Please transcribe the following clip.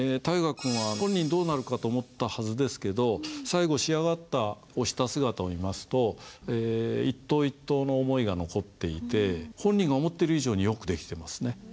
大河君は本人どうなるかと思ったはずですけど最後仕上がった押した姿を見ますと一刀一刀の思いが残っていて本人が思ってる以上によく出来てますね。